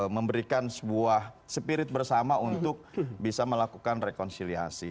memberikan sebuah spirit bersama untuk bisa melakukan rekonsiliasi